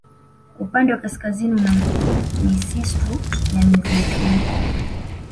Upande wa kaskazini una misistu ya mizeituni